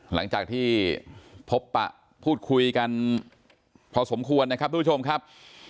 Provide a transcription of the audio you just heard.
หลังจากที่พบปะพูดคุยกันพอสมควรนะครับทุกผู้ชมครับ